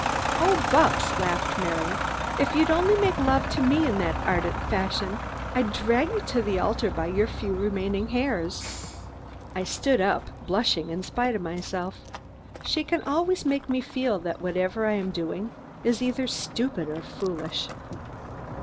"Oh, Bupps!" laughed Mary, "if you'd only make love to me in that ardent fashion, I'd drag you to the altar by your few remaining hairs." I stood up, blushing in spite of myself. She can always make me feel that whatever I am doing is either stupid or foolish.